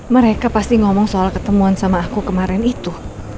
mereka pasti ngomong soal ketemuan sama aku kemarin itu